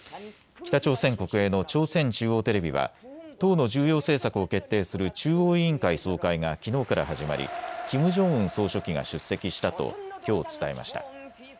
北朝鮮国営の朝鮮中央テレビは党の重要政策を決定する中央委員会総会がきのうから始まりキム・ジョンウン総書記が出席したと、きょう伝えました。